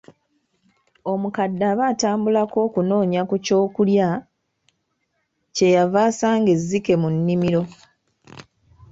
Omukadde aba atambulako okunoonya ku kyokulya, kye yava asanga ezzike mu nnimiro.